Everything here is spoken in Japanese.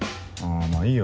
まぁいいよ